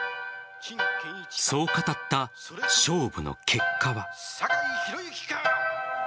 そう語った勝負の結果は。